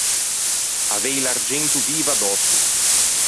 Avei l’argento vivo adòsso.